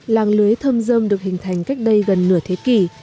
làng lưới thâm rơm được hình thành cách đây gần nửa thế kỷ